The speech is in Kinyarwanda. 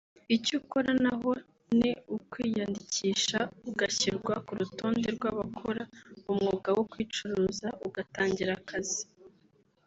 icyo ukora naho ni ukwiyandikisha ugashyirwa ku rutonde rw’ abakora umwuga wo kwicuruza ugatangira akazi